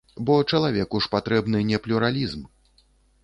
Бо чалавеку ж патрэбны не плюралізм.